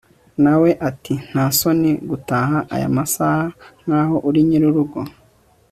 nawe ati ntasoni gutaha aya masaha nkaho uri nyirurugo